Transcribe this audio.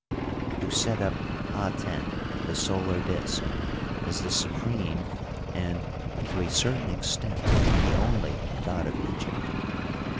who set up Aten, the solar disk, as the su preme and, to a certain extent, the only god of Egypt.